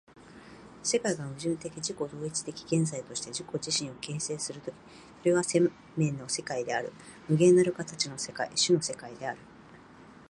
世界が矛盾的自己同一的現在として自己自身を形成する時、それは生命の世界である、無限なる形の世界、種の世界である。